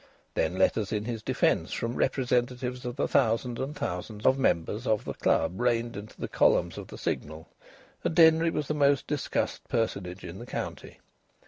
Then letters in his defence from representatives of the thousands and thousands of members of the club rained into the columns of the Signal, and Denry was the most discussed personage in the county.